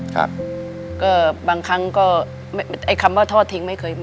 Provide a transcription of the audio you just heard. ครับก็บางครั้งก็ไอ้คำว่าทอดทิ้งไม่เคย